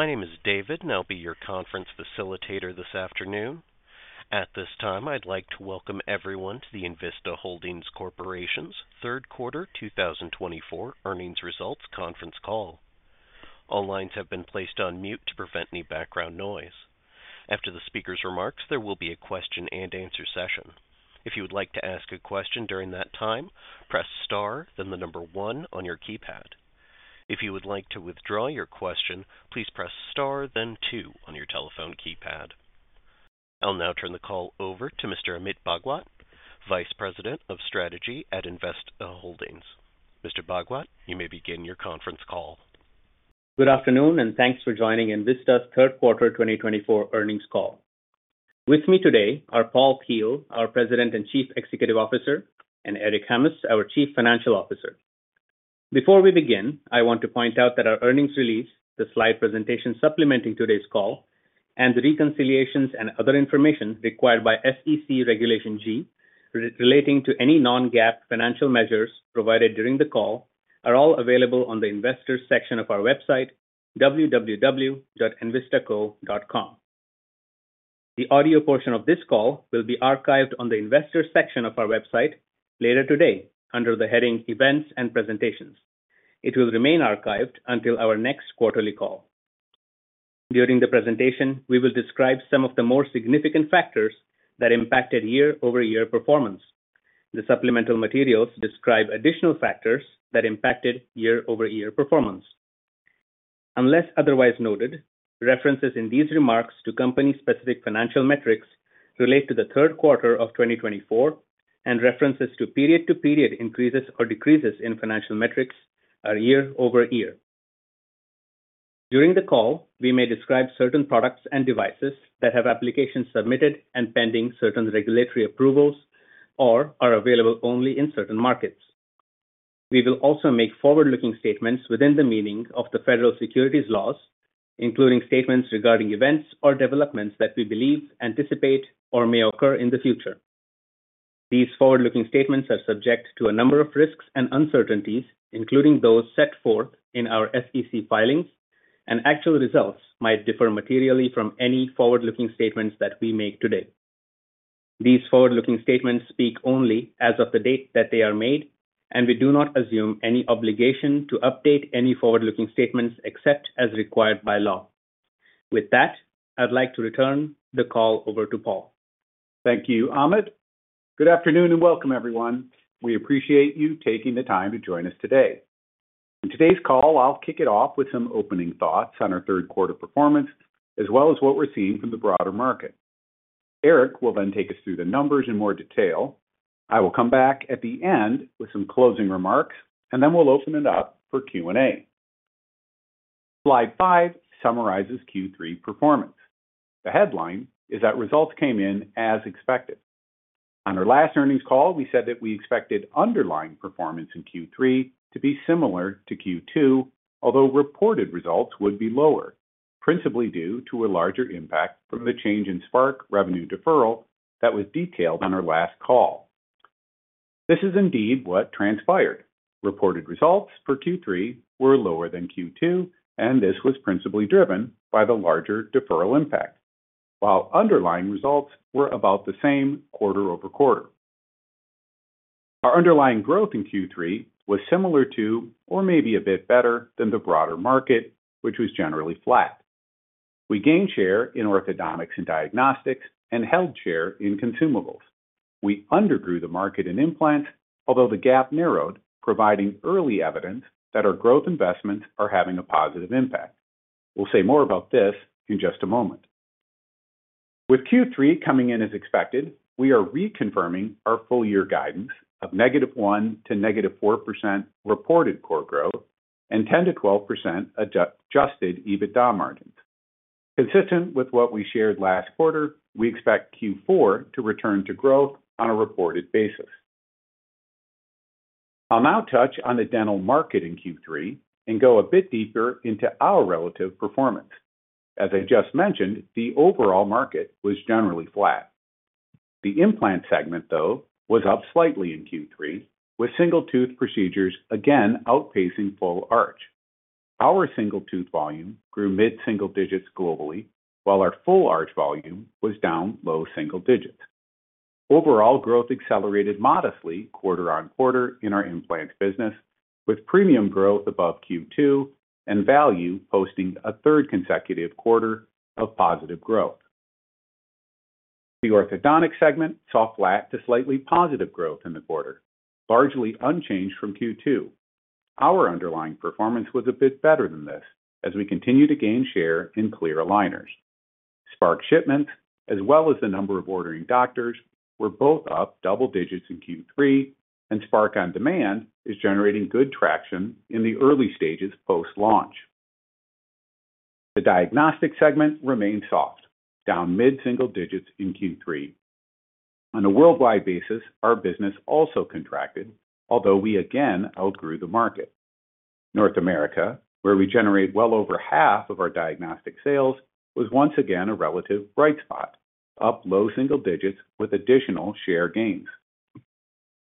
My name is David, and I'll be your conference facilitator this afternoon. At this time, I'd like to welcome everyone to the Envista Holdings Corporation's Third Quarter 2024 Earnings Results Conference Call. All lines have been placed on mute to prevent any background noise. After the speaker's remarks, there will be a question-and-answer session. If you would like to ask a question during that time, press star, then the number one on your keypad. If you would like to withdraw your question, please press star, then two on your telephone keypad. I'll now turn the call over to Mr. Amit Bhagwat, Vice President of Strategy at Envista Holdings. Mr. Bhagwat, you may begin your conference call. Good afternoon, and thanks for joining Envista's Third Quarter 2024 Earnings Call. With me today are Paul Keel, our President and Chief Executive Officer, and Eric Hammes, our Chief Financial Officer. Before we begin, I want to point out that our earnings release, the slide presentation supplementing today's call, and the reconciliations and other information required by SEC Regulation G relating to any non-GAAP financial measures provided during the call are all available on the Investors' section of our website, www.envistaco.com. The audio portion of this call will be archived on the Investors' section of our website later today under the heading Events and Presentations. It will remain archived until our next quarterly call. During the presentation, we will describe some of the more significant factors that impacted year-over-year performance. The supplemental materials describe additional factors that impacted year-over-year performance. Unless otherwise noted, references in these remarks to company-specific financial metrics relate to the third quarter of 2024, and references to period-to-period increases or decreases in financial metrics are year-over-year. During the call, we may describe certain products and devices that have applications submitted and pending certain regulatory approvals or are available only in certain markets. We will also make forward-looking statements within the meaning of the federal securities laws, including statements regarding events or developments that we believe, anticipate, or may occur in the future. These forward-looking statements are subject to a number of risks and uncertainties, including those set forth in our SEC filings, and actual results might differ materially from any forward-looking statements that we make today. These forward-looking statements speak only as of the date that they are made, and we do not assume any obligation to update any forward-looking statements except as required by law. With that, I'd like to return the call over to Paul. Thank you, Amit. Good afternoon and welcome, everyone. We appreciate you taking the time to join us today. In today's call, I'll kick it off with some opening thoughts on our third quarter performance as well as what we're seeing from the broader market. Eric will then take us through the numbers in more detail. I will come back at the end with some closing remarks, and then we'll open it up for Q&A. Slide five summarizes Q3 performance. The headline is that results came in as expected. On our last earnings call, we said that we expected underlying performance in Q3 to be similar to Q2, although reported results would be lower, principally due to a larger impact from the change in Spark revenue deferral that was detailed on our last call. This is indeed what transpired. Reported results for Q3 were lower than Q2, and this was principally driven by the larger deferral impact, while underlying results were about the same quarter-over-quarter. Our underlying growth in Q3 was similar to, or maybe a bit better, than the broader market, which was generally flat. We gained share in orthodontics and diagnostics and held share in consumables. We undergrew the market in implants, although the gap narrowed, providing early evidence that our growth investments are having a positive impact. We'll say more about this in just a moment. With Q3 coming in as expected, we are reconfirming our full-year guidance of -1% to -4% reported core growth and 10%-12% Adjusted EBITDA margins. Consistent with what we shared last quarter, we expect Q4 to return to growth on a reported basis. I'll now touch on the dental market in Q3 and go a bit deeper into our relative performance. As I just mentioned, the overall market was generally flat. The implant segment, though, was up slightly in Q3, with single-tooth procedures again outpacing full arch. Our single-tooth volume grew mid-single digits globally, while our full arch volume was down low single digits. Overall growth accelerated modestly quarter on quarter in our implant business, with premium growth above Q2 and value posting a third consecutive quarter of positive growth. The orthodontic segment saw flat to slightly positive growth in the quarter, largely unchanged from Q2. Our underlying performance was a bit better than this as we continue to gain share in clear aligners. Spark shipments, as well as the number of ordering doctors, were both up double digits in Q3, and Spark On Demand is generating good traction in the early stages post-launch. The diagnostic segment remained soft, down mid-single digits in Q3. On a worldwide basis, our business also contracted, although we again outgrew the market. North America, where we generate well over half of our diagnostic sales, was once again a relative bright spot, up low single digits with additional share gains.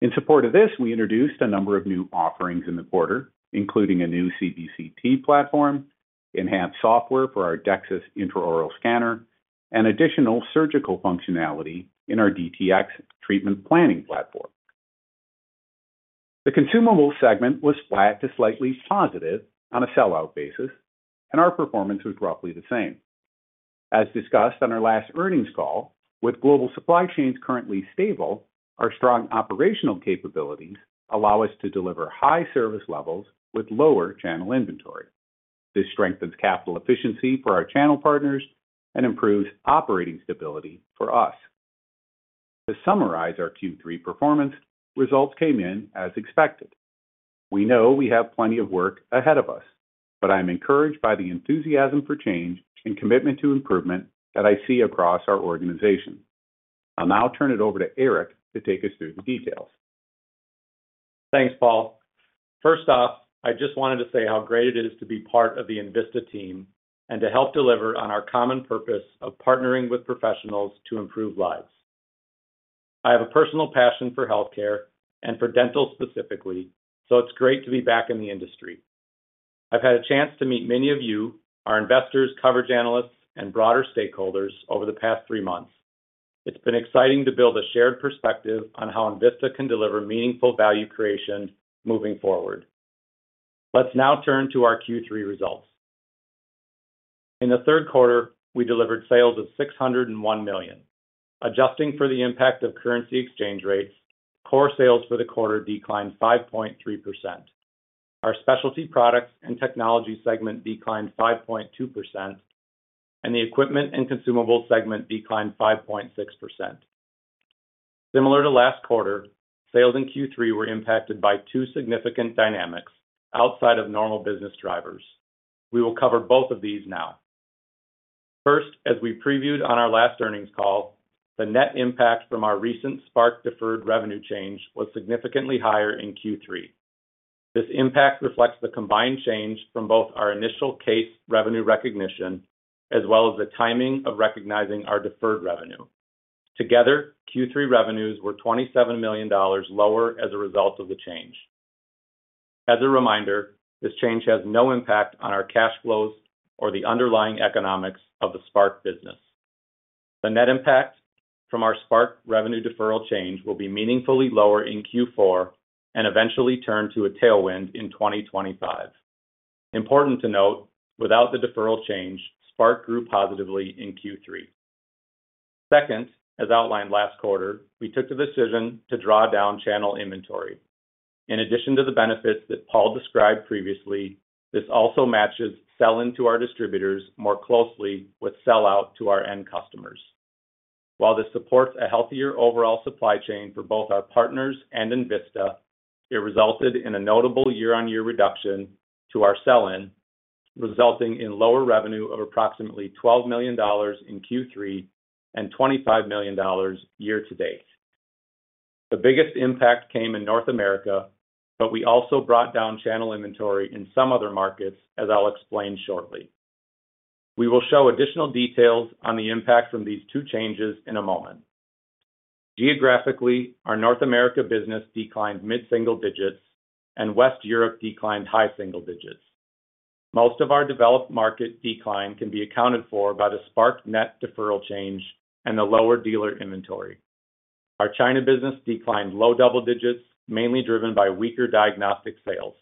In support of this, we introduced a number of new offerings in the quarter, including a new CBCT platform, enhanced software for our DEXIS intraoral scanner, and additional surgical functionality in our DTX treatment planning platform. The consumable segment was flat to slightly positive on a sell-out basis, and our performance was roughly the same. As discussed on our last earnings call, with global supply chains currently stable, our strong operational capabilities allow us to deliver high service levels with lower channel inventory. This strengthens capital efficiency for our channel partners and improves operating stability for us. To summarize our Q3 performance, results came in as expected. We know we have plenty of work ahead of us, but I'm encouraged by the enthusiasm for change and commitment to improvement that I see across our organization. I'll now turn it over to Eric to take us through the details. Thanks, Paul. First off, I just wanted to say how great it is to be part of the Envista team and to help deliver on our common purpose of partnering with professionals to improve lives. I have a personal passion for healthcare and for dental specifically, so it's great to be back in the industry. I've had a chance to meet many of you, our investors, coverage analysts, and broader stakeholders over the past three months. It's been exciting to build a shared perspective on how Envista can deliver meaningful value creation moving forward. Let's now turn to our Q3 results. In the third quarter, we delivered sales of $601 million. Adjusting for the impact of currency exchange rates, core sales for the quarter declined 5.3%. Our specialty products and technology segment declined 5.2%, and the equipment and consumables segment declined 5.6%. Similar to last quarter, sales in Q3 were impacted by two significant dynamics outside of normal business drivers. We will cover both of these now. First, as we previewed on our last earnings call, the net impact from our recent Spark deferred revenue change was significantly higher in Q3. This impact reflects the combined change from both our initial case revenue recognition as well as the timing of recognizing our deferred revenue. Together, Q3 revenues were $27 million lower as a result of the change. As a reminder, this change has no impact on our cash flows or the underlying economics of the Spark business. The net impact from our Spark revenue deferral change will be meaningfully lower in Q4 and eventually turn to a tailwind in 2025. Important to note, without the deferral change, Spark grew positively in Q3. Second, as outlined last quarter, we took the decision to draw down channel inventory. In addition to the benefits that Paul described previously, this also matches sell-in to our distributors more closely with sell-out to our end customers. While this supports a healthier overall supply chain for both our partners and Envista, it resulted in a notable year-on-year reduction to our sell-in, resulting in lower revenue of approximately $12 million in Q3 and $25 million year-to-date. The biggest impact came in North America, but we also brought down channel inventory in some other markets, as I'll explain shortly. We will show additional details on the impact from these two changes in a moment. Geographically, our North America business declined mid-single digits, and West Europe declined high single digits. Most of our developed market decline can be accounted for by the Spark net deferral change and the lower dealer inventory. Our China business declined low double digits, mainly driven by weaker diagnostic sales.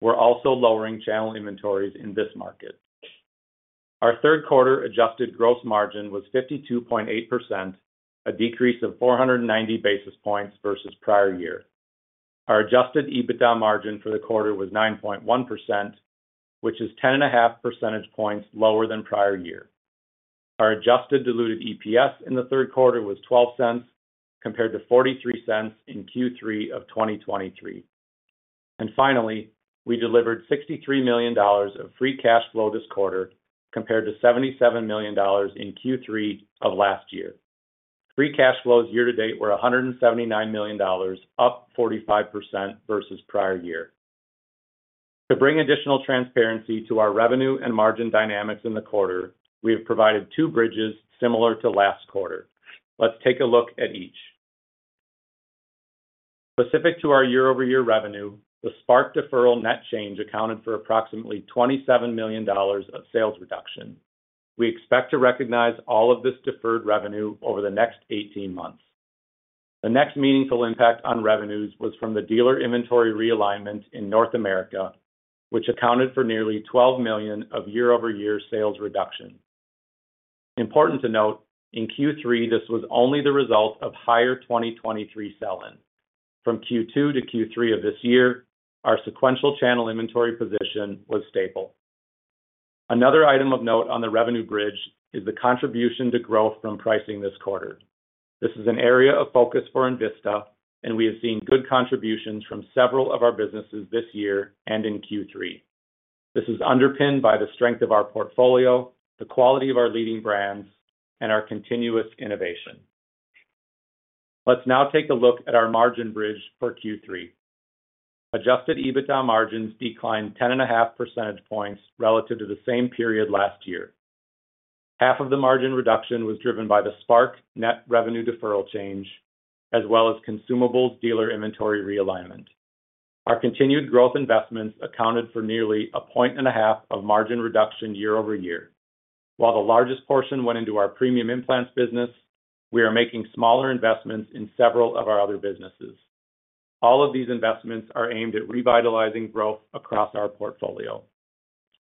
We're also lowering channel inventories in this market. Our third quarter adjusted gross margin was 52.8%, a decrease of 490 basis points versus prior year. Our adjusted EBITDA margin for the quarter was 9.1%, which is 10.5 percentage points lower than prior year. Our adjusted diluted EPS in the third quarter was $0.12 compared to $0.43 in Q3 of 2023. And finally, we delivered $63 million of free cash flow this quarter compared to $77 million in Q3 of last year. Free cash flows year-to-date were $179 million, up 45% versus prior year. To bring additional transparency to our revenue and margin dynamics in the quarter, we have provided two bridges similar to last quarter. Let's take a look at each. Specific to our year-over-year revenue, the Spark deferral net change accounted for approximately $27 million of sales reduction. We expect to recognize all of this deferred revenue over the next 18 months. The next meaningful impact on revenues was from the dealer inventory realignment in North America, which accounted for nearly $12 million of year-over-year sales reduction. Important to note, in Q3, this was only the result of higher 2023 sell-in. From Q2 to Q3 of this year, our sequential channel inventory position was stable. Another item of note on the revenue bridge is the contribution to growth from pricing this quarter. This is an area of focus for Envista, and we have seen good contributions from several of our businesses this year and in Q3. This is underpinned by the strength of our portfolio, the quality of our leading brands, and our continuous innovation. Let's now take a look at our margin bridge for Q3. Adjusted EBITDA margins declined 10.5 percentage points relative to the same period last year. Half of the margin reduction was driven by the Spark net revenue deferral change, as well as consumables dealer inventory realignment. Our continued growth investments accounted for nearly a point and a half of margin reduction year-over-year. While the largest portion went into our premium implants business, we are making smaller investments in several of our other businesses. All of these investments are aimed at revitalizing growth across our portfolio.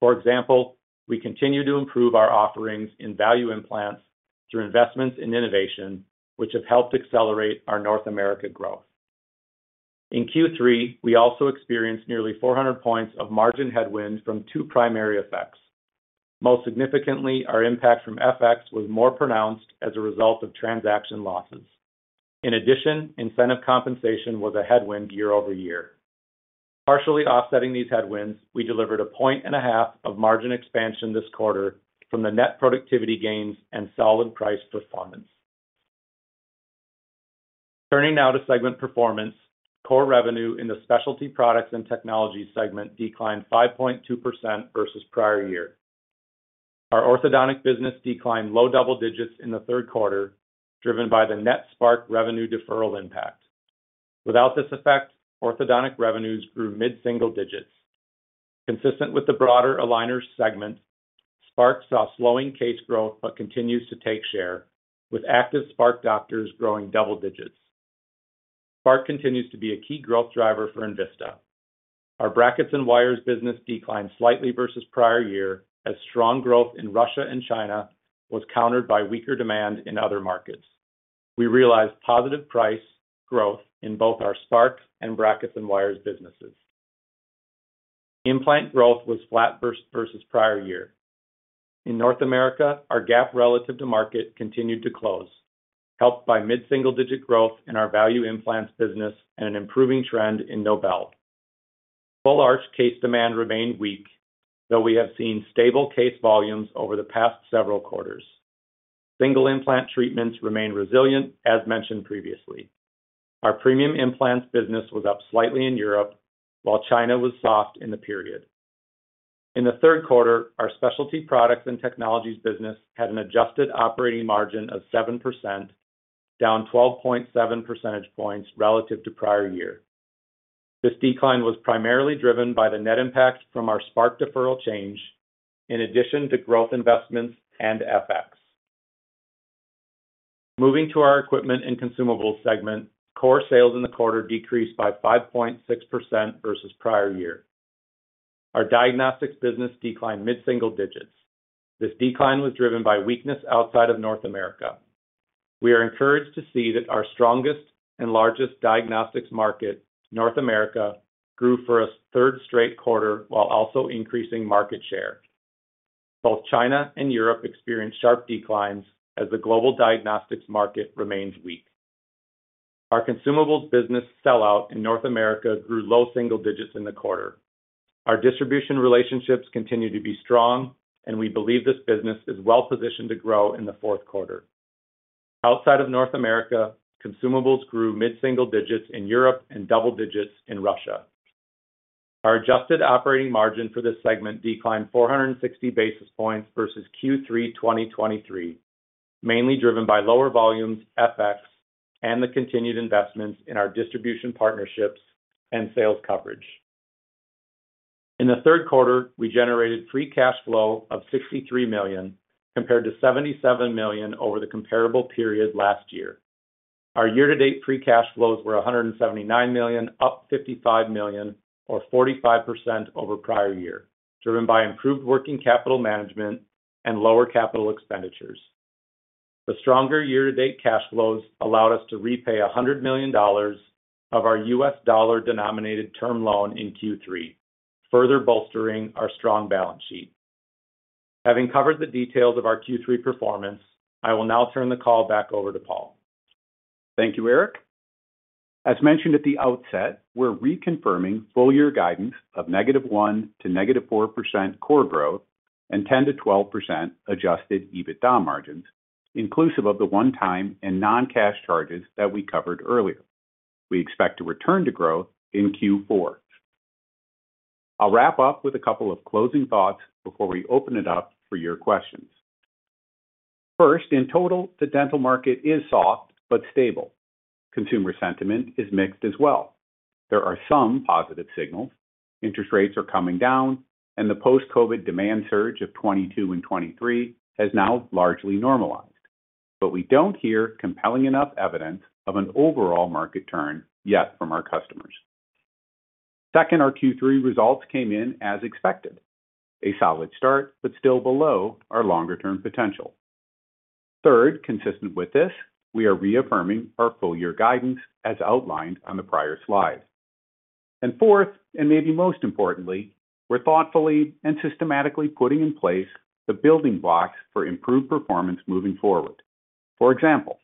For example, we continue to improve our offerings in value implants through investments in innovation, which have helped accelerate our North America growth. In Q3, we also experienced nearly 400 points of margin headwind from two primary effects. Most significantly, our impact from FX was more pronounced as a result of transaction losses. In addition, incentive compensation was a headwind year-over-year. Partially offsetting these headwinds, we delivered a point and a half of margin expansion this quarter from the net productivity gains and solid price performance. Turning now to segment performance, core revenue in the specialty products and technology segment declined 5.2% versus prior year. Our orthodontic business declined low double digits in the third quarter, driven by the net Spark revenue deferral impact. Without this effect, orthodontic revenues grew mid-single digits. Consistent with the broader aligner segment, Spark saw slowing case growth but continues to take share, with active Spark doctors growing double digits. Spark continues to be a key growth driver for Envista. Our brackets and wires business declined slightly versus prior year as strong growth in Russia and China was countered by weaker demand in other markets. We realized positive price growth in both our Spark and brackets and wires businesses. Implant growth was flat versus prior year. In North America, our gap relative to market continued to close, helped by mid-single digit growth in our value implants business and an improving trend in Nobel. Full arch case demand remained weak, though we have seen stable case volumes over the past several quarters. Single implant treatments remained resilient, as mentioned previously. Our premium implants business was up slightly in Europe, while China was soft in the period. In the third quarter, our specialty products and technologies business had an adjusted operating margin of 7%, down 12.7 percentage points relative to prior year. This decline was primarily driven by the net impact from our Spark deferral change, in addition to growth investments and FX. Moving to our equipment and consumables segment, core sales in the quarter decreased by 5.6% versus prior year. Our diagnostics business declined mid-single digits. This decline was driven by weakness outside of North America. We are encouraged to see that our strongest and largest diagnostics market, North America, grew for a third straight quarter while also increasing market share. Both China and Europe experienced sharp declines as the global diagnostics market remains weak. Our consumables business sell-out in North America grew low single digits in the quarter. Our distribution relationships continue to be strong, and we believe this business is well-positioned to grow in the fourth quarter. Outside of North America, consumables grew mid-single digits in Europe and double digits in Russia. Our adjusted operating margin for this segment declined 460 basis points versus Q3 2023, mainly driven by lower volumes, FX, and the continued investments in our distribution partnerships and sales coverage. In the third quarter, we generated free cash flow of $63 million compared to $77 million over the comparable period last year. Our year-to-date free cash flows were $179 million, up $55 million, or 45% over prior year, driven by improved working capital management and lower capital expenditures. The stronger year-to-date cash flows allowed us to repay $100 million of our U.S. dollar-denominated term loan in Q3, further bolstering our strong balance sheet. Having covered the details of our Q3 performance, I will now turn the call back over to Paul. Thank you, Eric. As mentioned at the outset, we're reconfirming full-year guidance of negative 1% to negative 4% core growth and 10%-12% Adjusted EBITDA margins, inclusive of the one-time and non-cash charges that we covered earlier. We expect to return to growth in Q4. I'll wrap up with a couple of closing thoughts before we open it up for your questions. First, in total, the dental market is soft but stable. Consumer sentiment is mixed as well. There are some positive signals. Interest rates are coming down, and the post-COVID demand surge of 2022 and 2023 has now largely normalized. But we don't hear compelling enough evidence of an overall market turn yet from our customers. Second, our Q3 results came in as expected. A solid start, but still below our longer-term potential. Third, consistent with this, we are reaffirming our full-year guidance as outlined on the prior slide. And fourth, and maybe most importantly, we're thoughtfully and systematically putting in place the building blocks for improved performance moving forward. For example,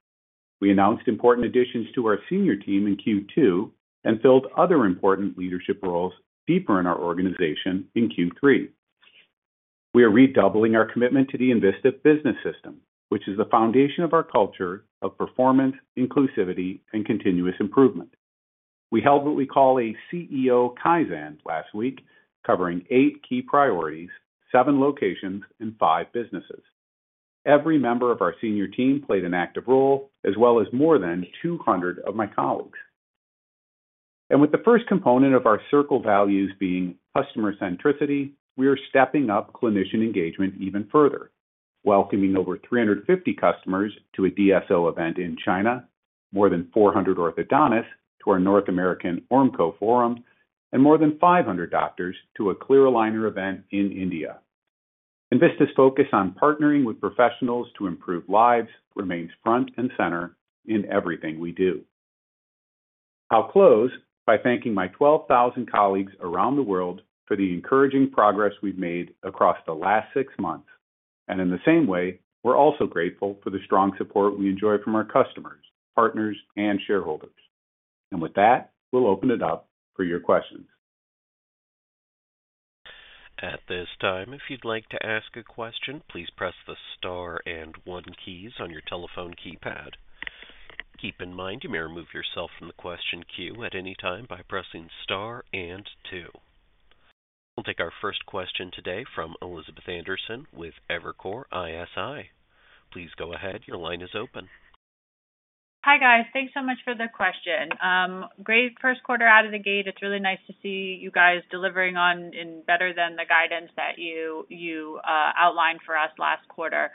we announced important additions to our senior team in Q2 and filled other important leadership roles deeper in our organization in Q3. We are redoubling our commitment to the Envista Business System, which is the foundation of our culture of performance, inclusivity, and continuous improvement. We held what we call a CEO Kaizen last week, covering eight key priorities, seven locations, and five businesses. Every member of our senior team played an active role, as well as more than 200 of my colleagues. And with the first component of our CIRCLES values being customer centricity, we are stepping up clinician engagement even further, welcoming over 350 customers to a DSO event in China, more than 400 orthodontists to our North American Ormco forum, and more than 500 doctors to a clear aligner event in India. Envista's focus on partnering with professionals to improve lives remains front and center in everything we do. I'll close by thanking my 12,000 colleagues around the world for the encouraging progress we've made across the last six months. And in the same way, we're also grateful for the strong support we enjoy from our customers, partners, and shareholders. And with that, we'll open it up for your questions. At this time, if you'd like to ask a question, please press the star and one keys on your telephone keypad. Keep in mind, you may remove yourself from the question queue at any time by pressing star and two. We'll take our first question today from Elizabeth Anderson with Evercore ISI. Please go ahead. Your line is open. Hi guys. Thanks so much for the question. Great first quarter out of the gate. It's really nice to see you guys delivering on and better than the guidance that you outlined for us last quarter.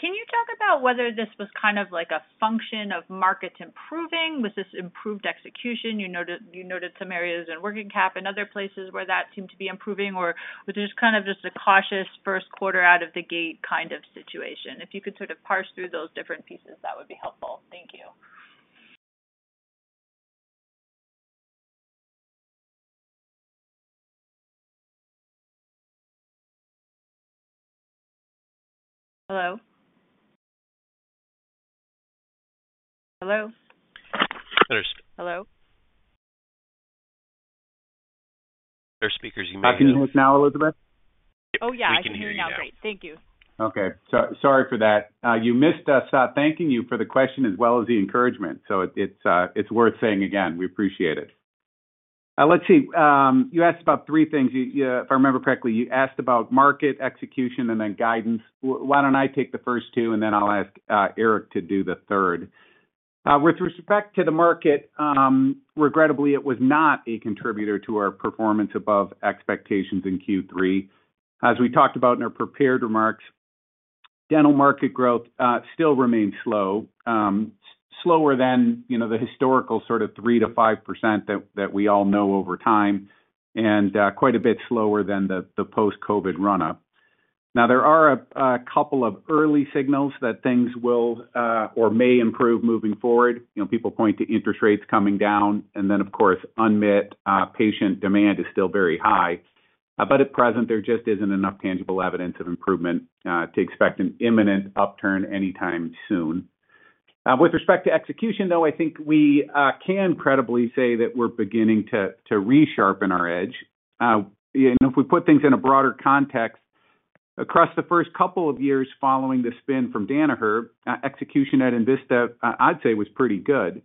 Can you talk about whether this was kind of like a function of markets improving? Was this improved execution? You noted some areas in working cap and other places where that seemed to be improving, or was it just kind of a cautious first quarter out of the gate kind of situation? If you could sort of parse through those different pieces, that would be helpful. Thank you. Hello? Hello? Better. Hello? Better speakers. You may hear me. I can hear you now, Elizabeth? Oh, yeah. I can hear you now. Thank you. Okay. Sorry for that. You missed us thanking you for the question as well as the encouragement. So it's worth saying again. We appreciate it. Let's see. You asked about three things. If I remember correctly, you asked about market execution and then guidance. Why don't I take the first two, and then I'll ask Eric to do the third. With respect to the market, regrettably, it was not a contributor to our performance above expectations in Q3. As we talked about in our prepared remarks, dental market growth still remains slow, slower than the historical sort of 3%-5% that we all know over time, and quite a bit slower than the post-COVID run-up. Now, there are a couple of early signals that things will or may improve moving forward. People point to interest rates coming down, and then, of course, unmet patient demand is still very high. But at present, there just isn't enough tangible evidence of improvement to expect an imminent upturn anytime soon. With respect to execution, though, I think we can credibly say that we're beginning to resharpen our edge. And if we put things in a broader context, across the first couple of years following the spin from Danaher, execution at Envista, I'd say, was pretty good.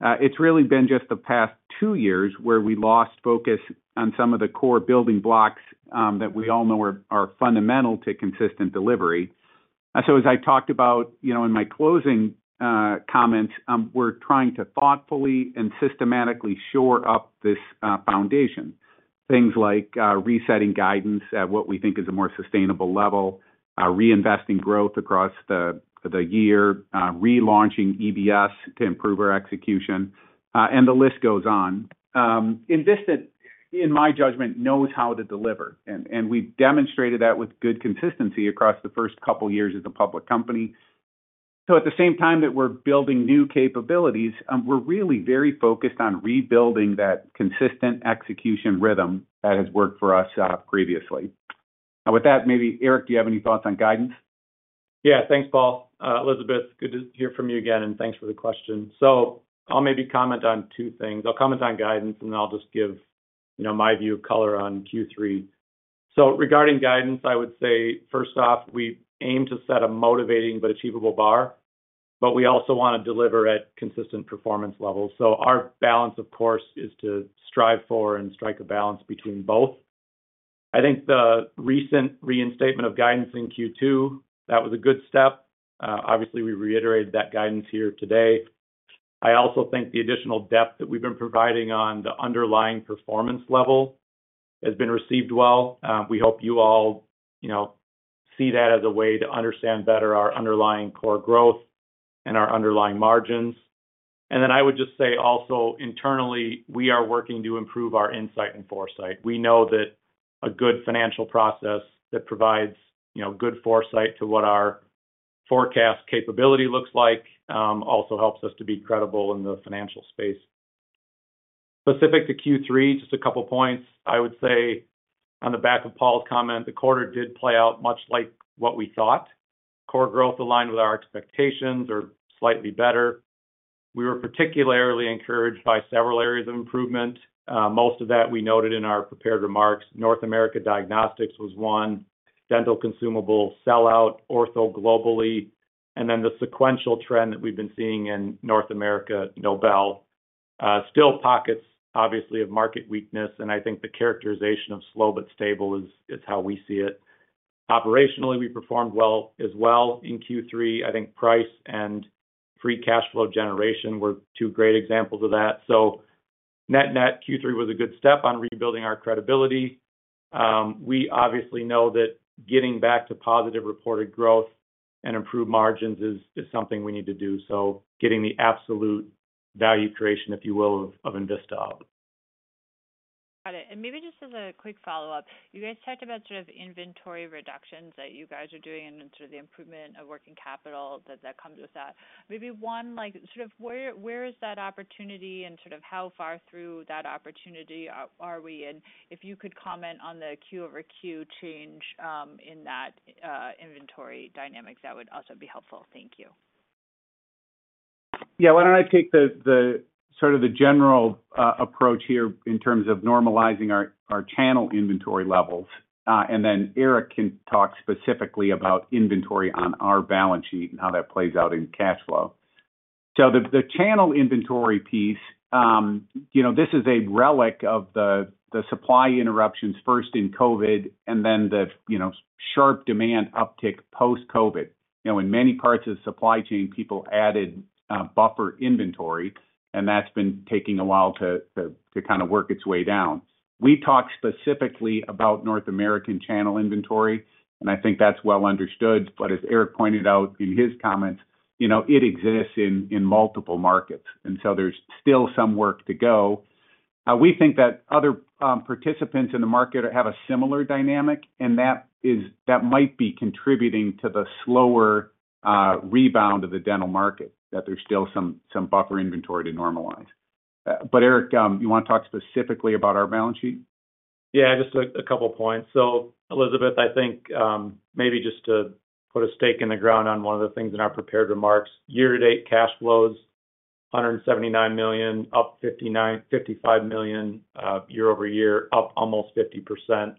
It's really been just the past two years where we lost focus on some of the core building blocks that we all know are fundamental to consistent delivery. So as I talked about in my closing comments, we're trying to thoughtfully and systematically shore up this foundation. Things like resetting guidance at what we think is a more sustainable level, reinvesting growth across the year, relaunching EBS to improve our execution, and the list goes on. Envista, in my judgment, knows how to deliver, and we've demonstrated that with good consistency across the first couple of years as a public company. So at the same time that we're building new capabilities, we're really very focused on rebuilding that consistent execution rhythm that has worked for us previously. With that, maybe Eric, do you have any thoughts on guidance? Yeah. Thanks, Paul. Elizabeth, good to hear from you again, and thanks for the question. So I'll maybe comment on two things. I'll comment on guidance, and then I'll just give my view of color on Q3. So regarding guidance, I would say, first off, we aim to set a motivating but achievable bar, but we also want to deliver at consistent performance levels. So our balance, of course, is to strive for and strike a balance between both. I think the recent reinstatement of guidance in Q2, that was a good step. Obviously, we reiterated that guidance here today. I also think the additional depth that we've been providing on the underlying performance level has been received well. We hope you all see that as a way to understand better our underlying core growth and our underlying margins. And then I would just say also internally, we are working to improve our insight and foresight. We know that a good financial process that provides good foresight to what our forecast capability looks like also helps us to be credible in the financial space. Specific to Q3, just a couple of points. I would say on the back of Paul's comment, the quarter did play out much like what we thought. Core Growth aligned with our expectations or slightly better. We were particularly encouraged by several areas of improvement. Most of that we noted in our prepared remarks. North America diagnostics was one, dental consumables sell-out, ortho globally, and then the sequential trend that we've been seeing in North America Nobel. Still pockets, obviously, of market weakness, and I think the characterization of slow but stable is how we see it. Operationally, we performed well as well in Q3. I think price and free cash flow generation were two great examples of that. So net-net Q3 was a good step on rebuilding our credibility. We obviously know that getting back to positive reported growth and improved margins is something we need to do. So getting the absolute value creation, if you will, of Envista up. Got it. And maybe just as a quick follow-up, you guys talked about sort of inventory reductions that you guys are doing and sort of the improvement of working capital that comes with that. Maybe one, sort of where is that opportunity and sort of how far through that opportunity are we? And if you could comment on the Q over Q change in that inventory dynamic, that would also be helpful. Thank you. Yeah. Why don't I take sort of the general approach here in terms of normalizing our channel inventory levels, and then Eric can talk specifically about inventory on our balance sheet and how that plays out in cash flow. So the channel inventory piece, this is a relic of the supply interruptions, first in COVID and then the sharp demand uptick post-COVID. In many parts of the supply chain, people added buffer inventory, and that's been taking a while to kind of work its way down. We talked specifically about North American channel inventory, and I think that's well understood. But as Eric pointed out in his comments, it exists in multiple markets, and so there's still some work to go. We think that other participants in the market have a similar dynamic, and that might be contributing to the slower rebound of the dental market, that there's still some buffer inventory to normalize. But Eric, you want to talk specifically about our balance sheet? Yeah. Just a couple of points. So Elizabeth, I think maybe just to put a stake in the ground on one of the things in our prepared remarks, year-to-date cash flows, $179 million, up $55 million year-over-year, up almost 50%.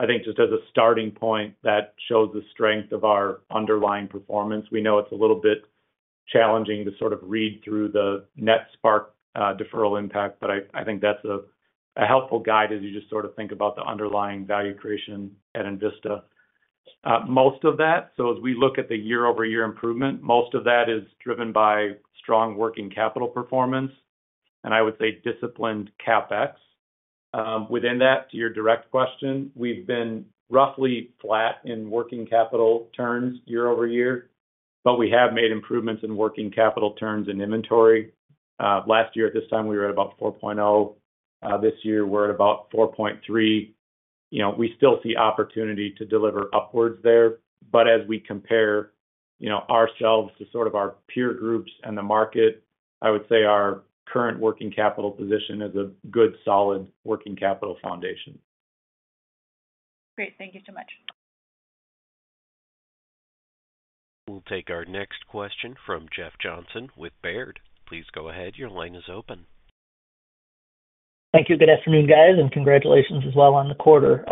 I think just as a starting point, that shows the strength of our underlying performance. We know it's a little bit challenging to sort of read through the net Spark deferral impact, but I think that's a helpful guide as you just sort of think about the underlying value creation at Envista. Most of that, so as we look at the year-over-year improvement, most of that is driven by strong working capital performance, and I would say disciplined CapEx. Within that, to your direct question, we've been roughly flat in working capital turns year-over-year, but we have made improvements in working capital turns and inventory. Last year, at this time, we were at about 4.0. This year, we're at about 4.3. We still see opportunity to deliver upwards there. But as we compare ourselves to sort of our peer groups and the market, I would say our current working capital position is a good solid working capital foundation. Great. Thank you so much. We'll take our next question from Jeff Johnson with Baird. Please go ahead. Your line is open. Thank you. Good afternoon, guys, and congratulations as well on the quarter.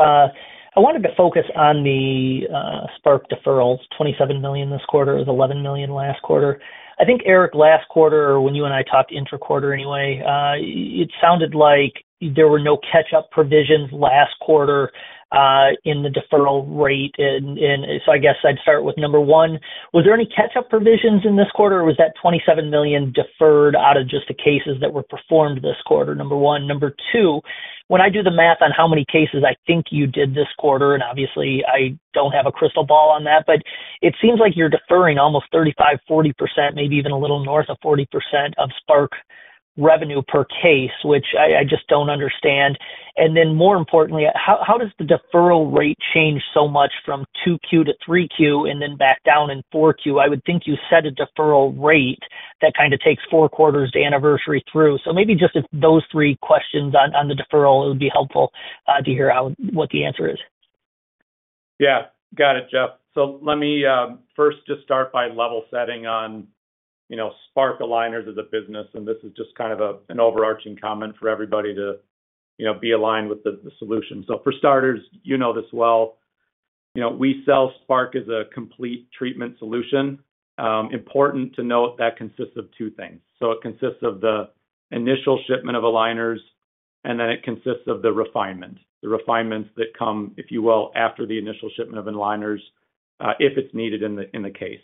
I wanted to focus on the Spark deferrals. $27 million this quarter is $11 million last quarter. I think, Eric, last quarter, when you and I talked intra-quarter anyway, it sounded like there were no catch-up provisions last quarter in the deferral rate. And so I guess I'd start with number one. Was there any catch-up provisions in this quarter, or was that $27 million deferred out of just the cases that were performed this quarter, number one? Number two, when I do the math on how many cases I think you did this quarter, and obviously, I don't have a crystal ball on that, but it seems like you're deferring almost 35%-40%, maybe even a little north of 40% of Spark revenue per case, which I just don't understand. And then more importantly, how does the deferral rate change so much from 2Q to 3Q and then back down in 4Q? I would think you set a deferral rate that kind of takes four quarters to anniversary through. So maybe just those three questions on the deferral, it would be helpful to hear what the answer is. Yeah. Got it, Jeff. So let me first just start by level setting on Spark aligners as a business, and this is just kind of an overarching comment for everybody to be aligned with the solution. So for starters, you know this well. We sell Spark as a complete treatment solution. Important to note that consists of two things. So it consists of the initial shipment of aligners, and then it consists of the refinement, the refinements that come, if you will, after the initial shipment of aligners if it's needed in the case.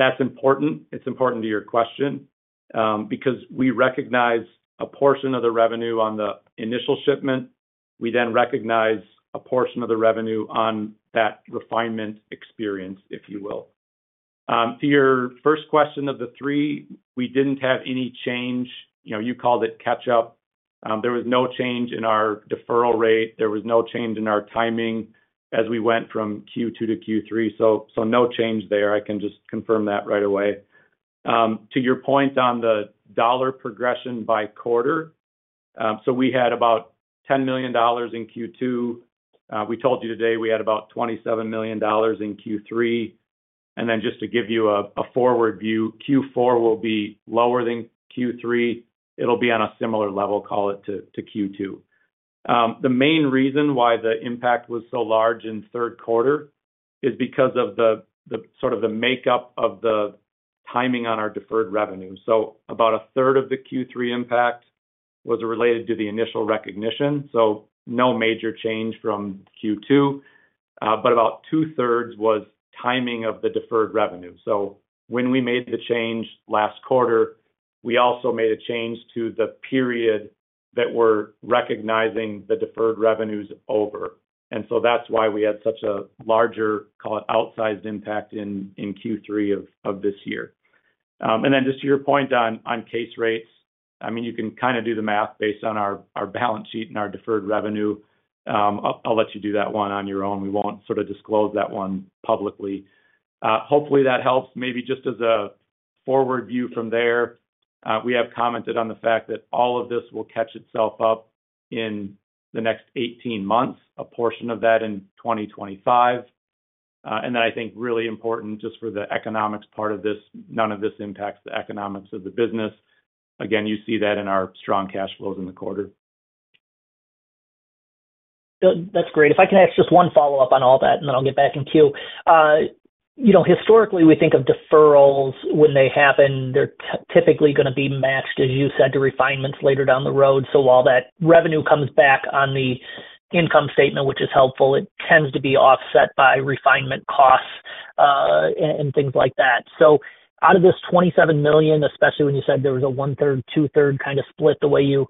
That's important. It's important to your question because we recognize a portion of the revenue on the initial shipment. We then recognize a portion of the revenue on that refinement experience, if you will. To your first question of the three, we didn't have any change. You called it catch-up. There was no change in our deferral rate. There was no change in our timing as we went from Q2 to Q3. So no change there. I can just confirm that right away. To your point on the dollar progression by quarter, so we had about $10 million in Q2. We told you today we had about $27 million in Q3. And then just to give you a forward view, Q4 will be lower than Q3. It'll be on a similar level, call it, to Q2. The main reason why the impact was so large in third quarter is because of sort of the makeup of the timing on our deferred revenue. So about a third of the Q3 impact was related to the initial recognition. So no major change from Q2, but about two-thirds was timing of the deferred revenue. So when we made the change last quarter, we also made a change to the period that we're recognizing the deferred revenues over. And so that's why we had such a larger, call it, outsized impact in Q3 of this year, and then just to your point on case rates, I mean, you can kind of do the math based on our balance sheet and our deferred revenue. I'll let you do that one on your own. We won't sort of disclose that one publicly. Hopefully, that helps. Maybe just as a forward view from there, we have commented on the fact that all of this will catch itself up in the next 18 months, a portion of that in 2025, and then I think really important just for the economics part of this, none of this impacts the economics of the business. Again, you see that in our strong cash flows in the quarter. That's great. If I can ask just one follow-up on all that, and then I'll get back in queue. Historically, we think of deferrals when they happen, they're typically going to be matched, as you said, to refinements later down the road. So while that revenue comes back on the income statement, which is helpful, it tends to be offset by refinement costs and things like that. So out of this $27 million, especially when you said there was a one-third, two-third kind of split the way you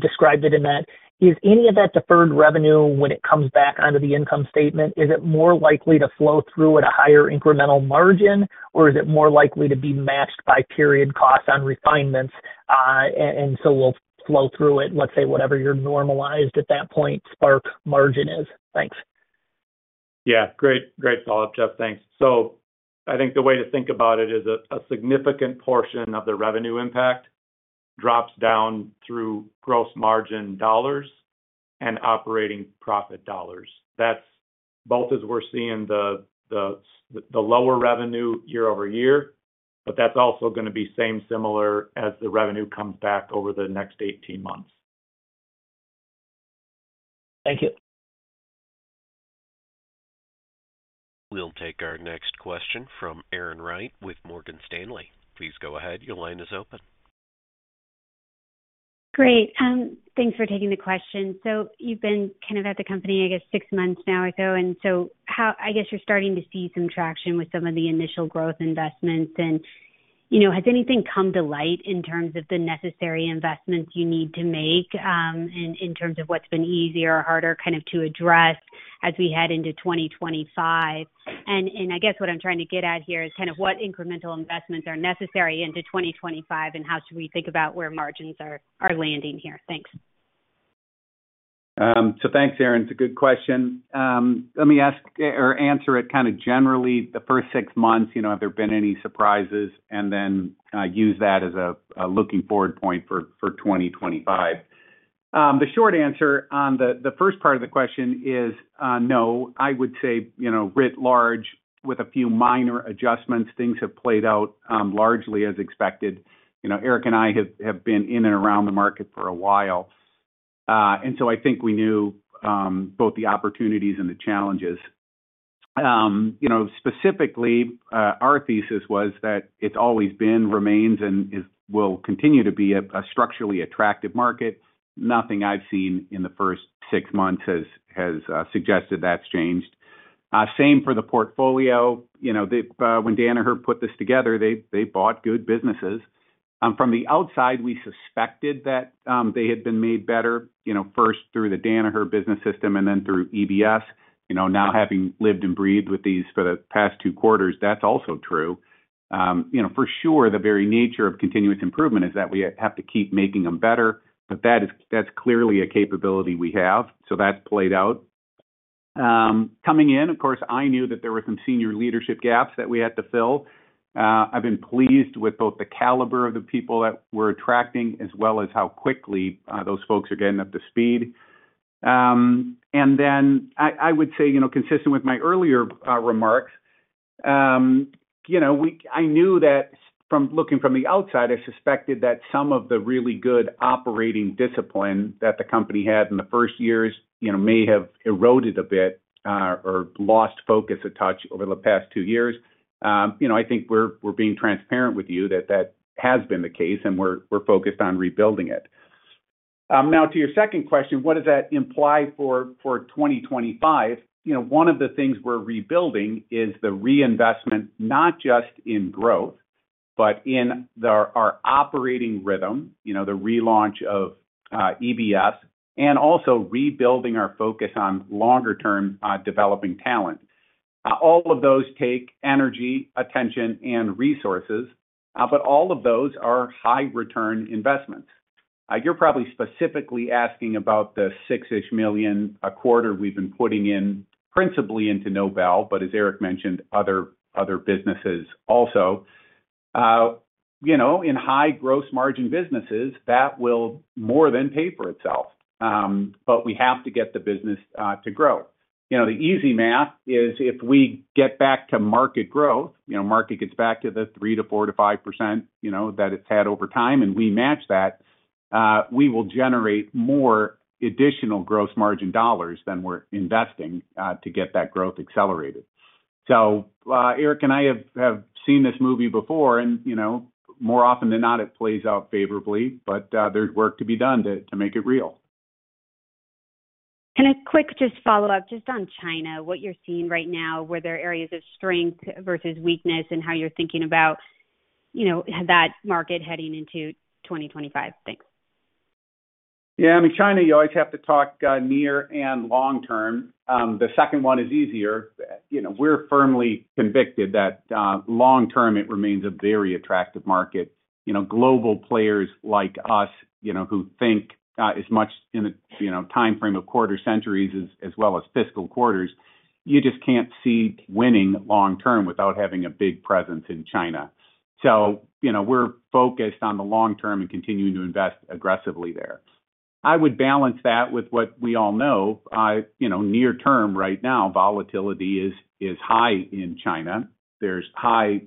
described it in that, is any of that deferred revenue when it comes back onto the income statement, is it more likely to flow through at a higher incremental margin, or is it more likely to be matched by period costs on refinements? And so we'll flow through it, let's say whatever your normalized at that point Spark margin is. Thanks. Yeah. Great. Great follow-up, Jeff. Thanks. So I think the way to think about it is a significant portion of the revenue impact drops down through gross margin dollars and operating profit dollars. That's both as we're seeing the lower revenue year-over-year, but that's also going to be same similar as the revenue comes back over the next 18 months. Thank you. We'll take our next question from Erin Wright with Morgan Stanley. Please go ahead. Your line is open. Great. Thanks for taking the question. So you've been kind of at the company, I guess, six months now or so. And so I guess you're starting to see some traction with some of the initial growth investments. And has anything come to light in terms of the necessary investments you need to make in terms of what's been easier or harder kind of to address as we head into 2025? And I guess what I'm trying to get at here is kind of what incremental investments are necessary into 2025, and how should we think about where margins are landing here? Thanks. So thanks, Erin. It's a good question. Let me ask or answer it kind of generally. The first six months, have there been any surprises? And then use that as a looking forward point for 2025. The short answer on the first part of the question is no. I would say writ large with a few minor adjustments, things have played out largely as expected. Eric and I have been in and around the market for a while. And so I think we knew both the opportunities and the challenges. Specifically, our thesis was that it's always been, remains, and will continue to be a structurally attractive market. Nothing I've seen in the first six months has suggested that's changed. Same for the portfolio. When Danaher put this together, they bought good businesses. From the outside, we suspected that they had been made better first through the Danaher business system and then through EBS. Now having lived and breathed with these for the past two quarters, that's also true. For sure, the very nature of continuous improvement is that we have to keep making them better, but that's clearly a capability we have. So that's played out. Coming in, of course, I knew that there were some senior leadership gaps that we had to fill. I've been pleased with both the caliber of the people that we're attracting as well as how quickly those folks are getting up to speed. And then I would say, consistent with my earlier remarks, I knew that from looking from the outside, I suspected that some of the really good operating discipline that the company had in the first years may have eroded a bit or lost focus a touch over the past two years. I think we're being transparent with you that that has been the case, and we're focused on rebuilding it. Now, to your second question, what does that imply for 2025? One of the things we're rebuilding is the reinvestment, not just in growth, but in our operating rhythm, the relaunch of EBS, and also rebuilding our focus on longer-term developing talent. All of those take energy, attention, and resources, but all of those are high-return investments. You're probably specifically asking about the six-ish million a quarter we've been putting in principally into Nobel, but as Eric mentioned, other businesses also. In high gross margin businesses, that will more than pay for itself, but we have to get the business to grow. The easy math is if we get back to market growth, market gets back to the 3% to 4% to 5% that it's had over time, and we match that, we will generate more additional gross margin dollars than we're investing to get that growth accelerated. So Eric and I have seen this movie before, and more often than not, it plays out favorably, but there's work to be done to make it real. A quick just follow-up, just on China, what you're seeing right now, were there areas of strength versus weakness in how you're thinking about that market heading into 2025? Thanks. Yeah. I mean, China, you always have to talk near and long term. The second one is easier. We're firmly convicted that long term, it remains a very attractive market. Global players like us who think as much in the timeframe of quarter centuries as well as fiscal quarters, you just can't see winning long term without having a big presence in China. So we're focused on the long term and continuing to invest aggressively there. I would balance that with what we all know. Near term right now, volatility is high in China. There's high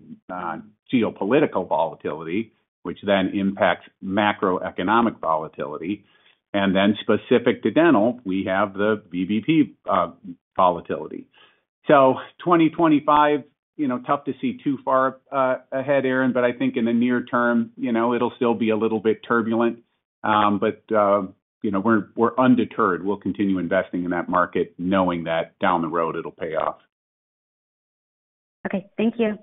geopolitical volatility, which then impacts macroeconomic volatility. And then specific to dental, we have the VBP volatility. So, 2025, tough to see too far ahead, Erin, but I think in the near term, it'll still be a little bit turbulent, but we're undeterred. We'll continue investing in that market knowing that down the road, it'll pay off. Okay. Thank you.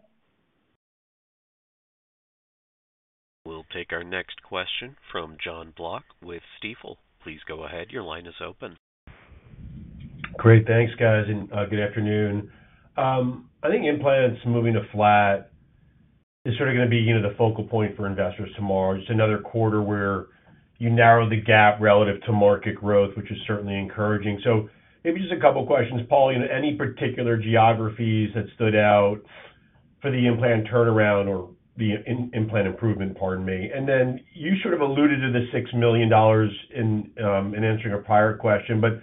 We'll take our next question from Jon Block with Stifel. Please go ahead. Your line is open. Great. Thanks, guys, and good afternoon. I think implants moving to flat is sort of going to be the focal point for investors tomorrow. It's another quarter where you narrow the gap relative to market growth, which is certainly encouraging. So maybe just a couple of questions. Paul, any particular geographies that stood out for the implant turnaround or the implant improvement, pardon me? And then you sort of alluded to the $6 million in answering a prior question, but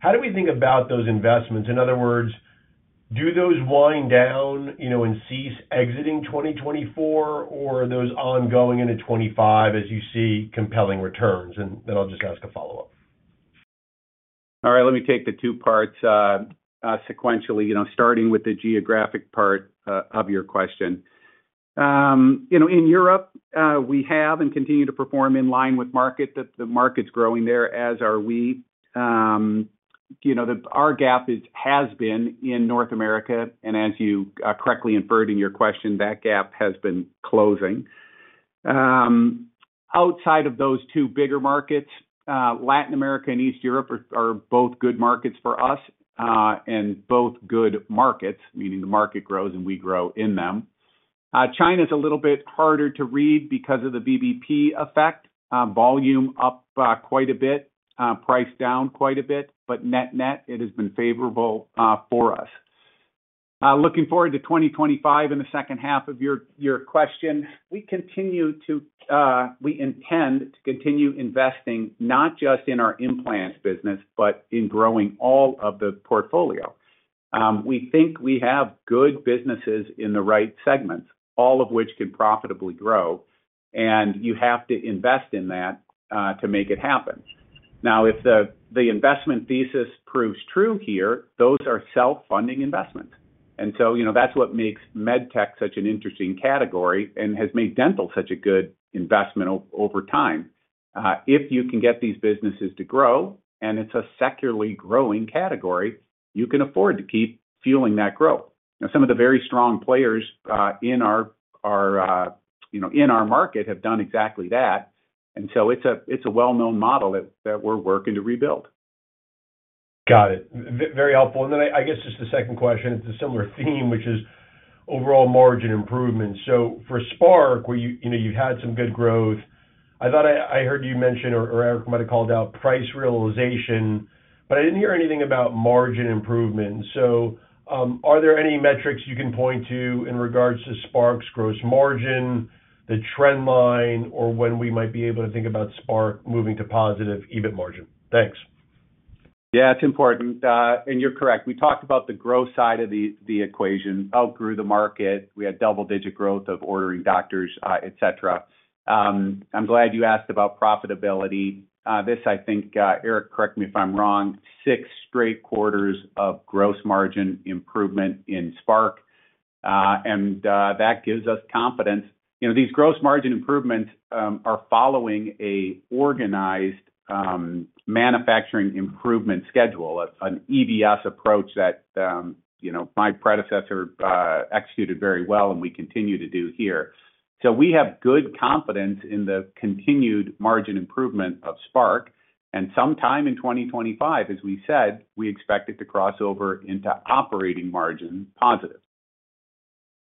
how do we think about those investments? In other words, do those wind down and cease exiting 2024, or are those ongoing into 2025 as you see compelling returns? And then I'll just ask a follow-up. All right. Let me take the two parts sequentially, starting with the geographic part of your question. In Europe, we have and continue to perform in line with market. The market's growing there, as are we. Our gap has been in North America, and as you correctly inferred in your question, that gap has been closing. Outside of those two bigger markets, Latin America and East Europe are both good markets for us and both good markets, meaning the market grows and we grow in them. China is a little bit harder to read because of the VBP effect. Volume up quite a bit, price down quite a bit, but net-net, it has been favorable for us. Looking forward to 2025, in the second half of your question. We continue to—we intend to continue investing not just in our implant business, but in growing all of the portfolio. We think we have good businesses in the right segments, all of which can profitably grow, and you have to invest in that to make it happen. Now, if the investment thesis proves true here, those are self-funding investments, and so that's what makes med tech such an interesting category and has made dental such a good investment over time. If you can get these businesses to grow, and it's a securely growing category, you can afford to keep fueling that growth. Now, some of the very strong players in our market have done exactly that, and so it's a well-known model that we're working to rebuild. Got it. Very helpful. And then I guess just the second question, it's a similar theme, which is overall margin improvement. So for Spark, where you've had some good growth, I thought I heard you mention or Eric might have called out price realization, but I didn't hear anything about margin improvement. So are there any metrics you can point to in regards to Spark's gross margin, the trend line, or when we might be able to think about Spark moving to positive EBIT margin? Thanks. Yeah, it's important. And you're correct. We talked about the growth side of the equation. Outgrew the market. We had double-digit growth of ordering doctors, etc. I'm glad you asked about profitability. This, I think, Eric, correct me if I'm wrong, six straight quarters of gross margin improvement in Spark. And that gives us confidence. These gross margin improvements are following an organized manufacturing improvement schedule, an EBS approach that my predecessor executed very well and we continue to do here. So we have good confidence in the continued margin improvement of Spark. And sometime in 2025, as we said, we expect it to cross over into operating margin positive.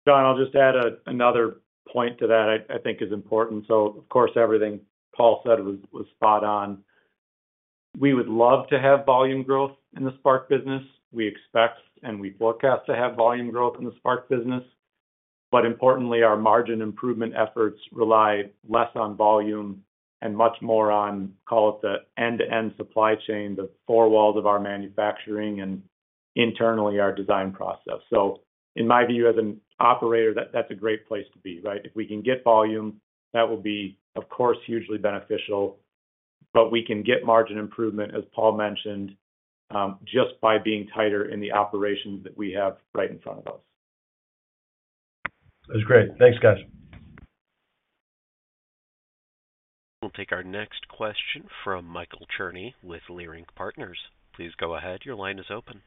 John, I'll just add another point to that I think is important. So of course, everything Paul said was spot on. We would love to have volume growth in the Spark business. We expect and we forecast to have volume growth in the Spark business. But importantly, our margin improvement efforts rely less on volume and much more on, call it the end-to-end supply chain, the four walls of our manufacturing and internally our design process. So in my view, as an operator, that's a great place to be, right? If we can get volume, that will be, of course, hugely beneficial. But we can get margin improvement, as Paul mentioned, just by being tighter in the operations that we have right in front of us. That's great. Thanks, guys. We'll take our next question from Michael Cherny with Leerink Partners. Please go ahead. Your line is open.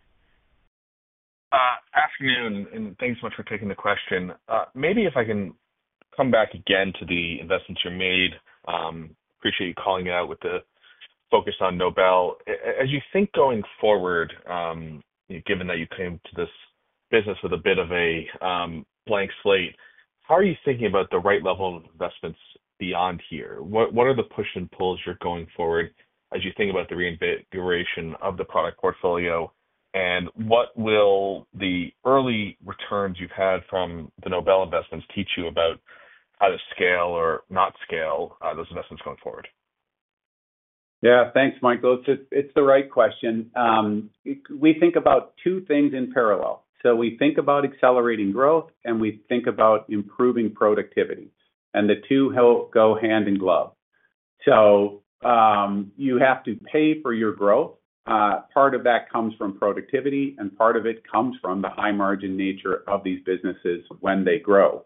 Afternoon, and thanks so much for taking the question. Maybe if I can come back again to the investments you made. Appreciate you calling it out with the focus on Nobel. As you think going forward, given that you came to this business with a bit of a blank slate, how are you thinking about the right level of investments beyond here? What are the push and pulls you're going forward as you think about the reinvigoration of the product portfolio? And what will the early returns you've had from the Nobel investments teach you about how to scale or not scale those investments going forward? Yeah. Thanks, Michael. It's the right question. We think about two things in parallel, so we think about accelerating growth, and we think about improving productivity, and the two go hand in glove, so you have to pay for your growth. Part of that comes from productivity, and part of it comes from the high-margin nature of these businesses when they grow,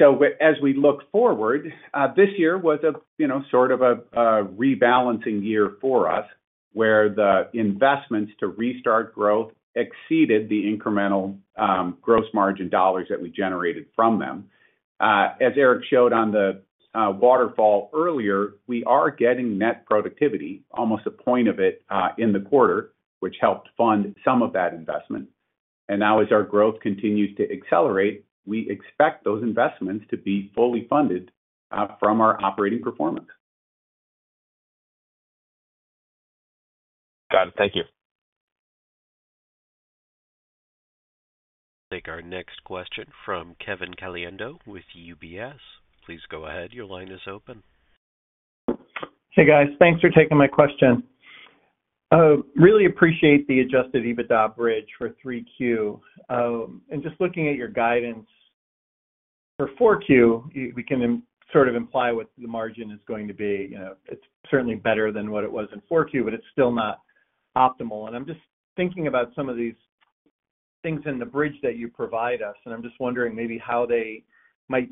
so as we look forward, this year was sort of a rebalancing year for us where the investments to restart growth exceeded the incremental gross margin dollars that we generated from them. As Eric showed on the waterfall earlier, we are getting net productivity, almost a point of it in the quarter, which helped fund some of that investment, and now, as our growth continues to accelerate, we expect those investments to be fully funded from our operating performance. Got it. Thank you. We'll take our next question from Kevin Caliendo with UBS. Please go ahead. Your line is open. Hey, guys. Thanks for taking my question. Really appreciate the Adjusted EBITDA bridge for 3Q. And just looking at your guidance for 4Q, we can sort of imply what the margin is going to be. It's certainly better than what it was in 4Q, but it's still not optimal. And I'm just thinking about some of these things in the bridge that you provide us, and I'm just wondering maybe how they might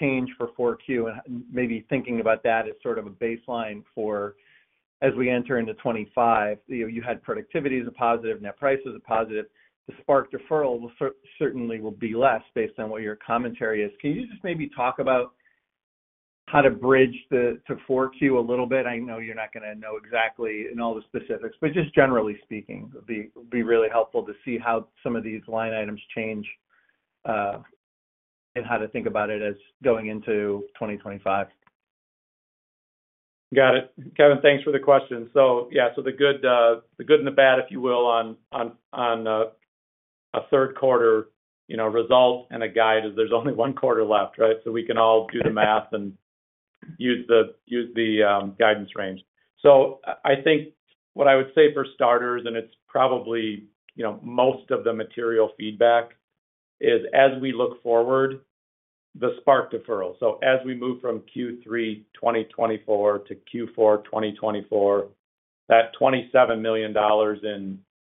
change for 4Q and maybe thinking about that as sort of a baseline for as we enter into 2025. You had productivity as a positive, net price as a positive. The Spark deferral certainly will be less based on what your commentary is. Can you just maybe talk about how to bridge to 4Q a little bit? I know you're not going to know exactly in all the specifics, but just generally speaking, it would be really helpful to see how some of these line items change and how to think about it as going into 2025. Got it. Kevin, thanks for the question. So yeah, so the good and the bad, if you will, on a third-quarter result and a guide is there's only one quarter left, right? So we can all do the math and use the guidance range. So I think what I would say for starters, and it's probably most of the material feedback, is as we look forward, the Spark deferral. So as we move from Q3 2024 to Q4 2024, that $27 million in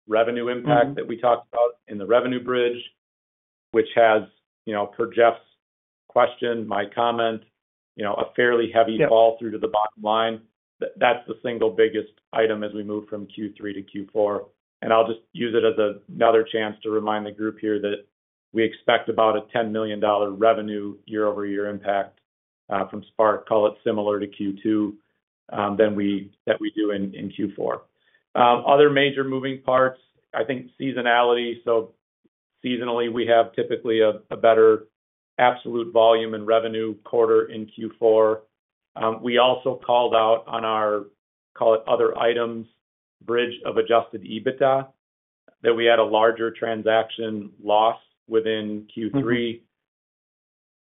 revenue impact that we talked about in the revenue bridge, which has, per Jeff's question, my comment, a fairly heavy fall through to the bottom line, that's the single biggest item as we move from Q3 to Q4. And I'll just use it as another chance to remind the group here that we expect about a $10 million revenue year-over-year impact from Spark, call it similar to Q2 than we do in Q4. Other major moving parts, I think seasonality. So seasonally, we have typically a better absolute volume and revenue quarter in Q4. We also called out on our, call it, other items bridge of adjusted EBITDA that we had a larger transaction loss within Q3.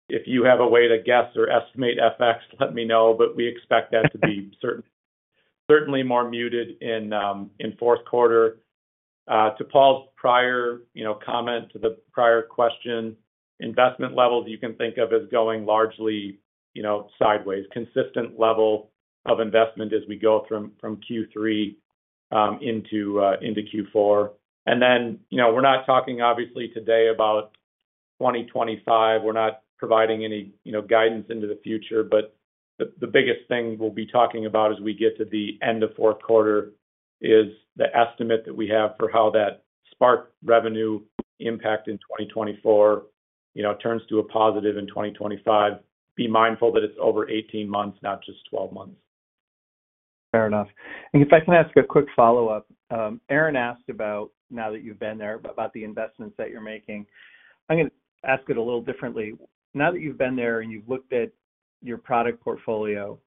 If you have a way to guess or estimate FX, let me know, but we expect that to be certainly more muted in fourth quarter. To Paul's prior comment to the prior question, investment levels you can think of as going largely sideways, consistent level of investment as we go from Q3 into Q4. And then we're not talking, obviously, today about 2025. We're not providing any guidance into the future, but the biggest thing we'll be talking about as we get to the end of fourth quarter is the estimate that we have for how that Spark revenue impact in 2024 turns to a positive in 2025. Be mindful that it's over 18 months, not just 12 months. Fair enough. And if I can ask a quick follow-up, Erin asked about, now that you've been there, about the investments that you're making. I'm going to ask it a little differently. Now that you've been there and you've looked at your product portfolio,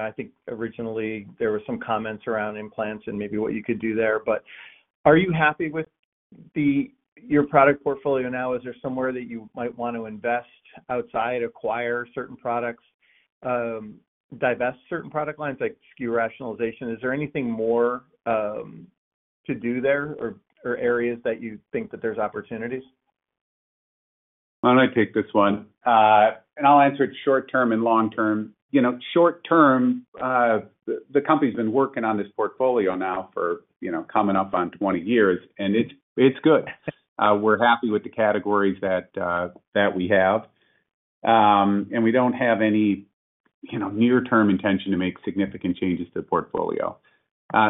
I think originally there were some comments around implants and maybe what you could do there, but are you happy with your product portfolio now? Is there somewhere that you might want to invest outside, acquire certain products, divest certain product lines like SKU rationalization? Is there anything more to do there or areas that you think that there's opportunities? Why don't I take this one? And I'll answer it short-term and long-term. Short-term, the company's been working on this portfolio now for coming up on 20 years, and it's good. We're happy with the categories that we have. And we don't have any near-term intention to make significant changes to the portfolio.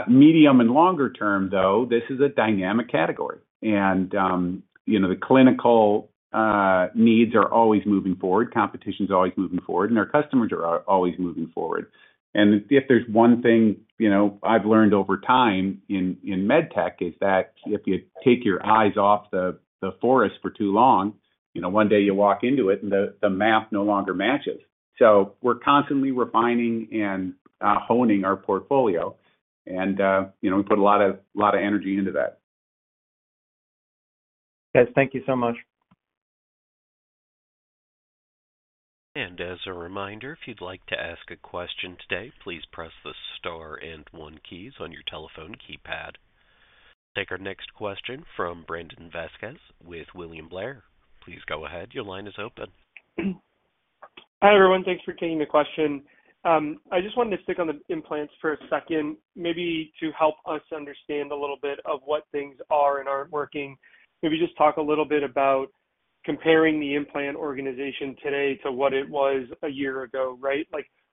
Medium and longer-term, though, this is a dynamic category. And the clinical needs are always moving forward. Competition's always moving forward, and our customers are always moving forward. And if there's one thing I've learned over time in med tech, it's that if you take your eyes off the forest for too long, one day you walk into it and the map no longer matches. So we're constantly refining and honing our portfolio, and we put a lot of energy into that. Guys, thank you so much. As a reminder, if you'd like to ask a question today, please press the star and one keys on your telephone keypad. We'll take our next question from Brandon Vazquez with William Blair. Please go ahead. Your line is open. Hi, everyone. Thanks for taking the question. I just wanted to stick on the implants for a second, maybe to help us understand a little bit of what things are and aren't working. Maybe just talk a little bit about comparing the implant organization today to what it was a year ago, right?